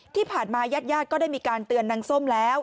ที่ผ่านมาญาติญาติก็ได้มีการเตือนนางส้มแล้ว